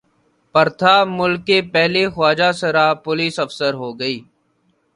پرتھا ملک کی پہلی خواجہ سرا پولیس افسر ہو گی